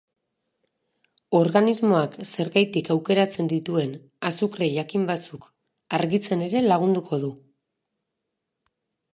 Organismoak zergatik aukeratzen dituen azukre jakin batzuk argitzen ere lagunduko du.